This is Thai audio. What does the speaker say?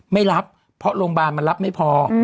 ไม่รับเพราะโรงพยาบาลมันรับไม่พอ